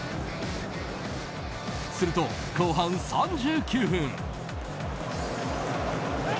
すると、後半３９分。